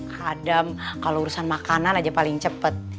kadam kalau urusan makanan aja paling cepet